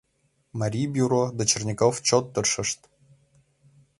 Марий бюро да Черняков чот тыршышт.